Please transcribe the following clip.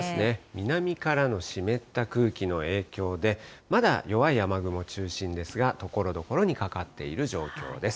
南からの湿った空気の影響で、まだ弱い雨雲中心ですが、ところどころにかかっている状況です。